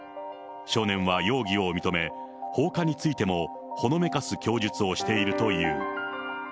少年は容疑を認め、放火についてもほのめかす供述をしているという。